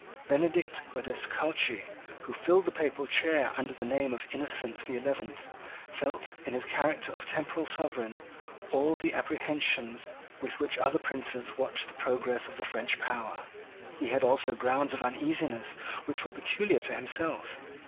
Benedict Odescalchi, who filled the papal chair under the name of Innocent the Eleventh, felt, in his character of temporal sovereign, all those apprehensions with which other princes watched the progress of the French power. He had also grounds of uneasiness which were peculiar to himself.